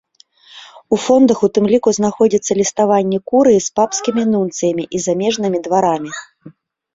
У фондах у тым ліку знаходзіцца ліставанне курыі з папскімі нунцыямі і замежнымі дварамі.